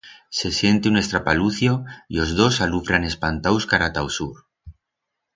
Se siente un estrapalucio y os dos alufran espantaus cara ta o sur.